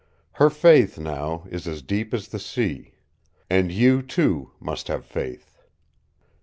Her faith, now, is as deep as the sea. And you, too, must have faith."